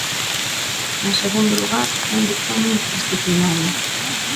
En segundo lugar, é un ditame interdisciplinario.